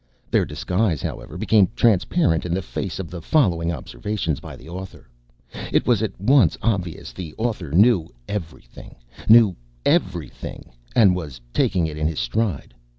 Their disguise, however, became transparent in the face of the following observations by the author. It was at once obvious the author knew everything. Knew everything and was taking it in his stride.